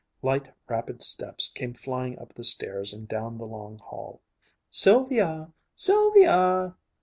Light, rapid steps came flying up the stairs and down the long hall. "Sylvia! Sylvia!"